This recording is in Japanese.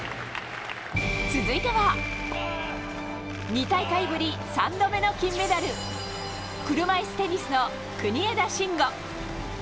続いては２大会ぶり３度目の金メダル、車いすテニスの国枝慎吾。